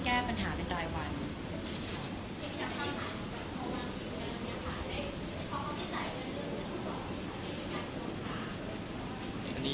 เต้นตายเป็นรายวัน